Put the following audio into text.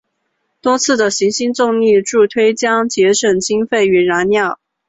多次的行星重力助推将节省经费与燃料。